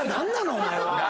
お前は。